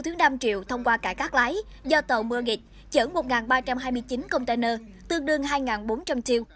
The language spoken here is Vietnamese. tiêu thứ năm triệu thông qua cảng cát lái do tàu murgit chở một ba trăm hai mươi chín container tương đương hai bốn trăm linh tiêu